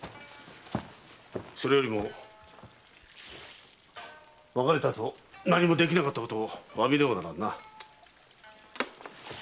それよりも別れたあと何もできなかったことを詫びねばならんな。